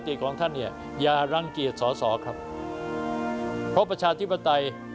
ของท่านเนี่ยอย่ารังเกียจสอสอครับเพราะประชาธิปไตย